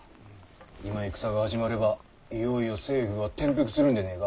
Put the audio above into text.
今戦が始まればいよいよ政府は転覆するんでねぇか。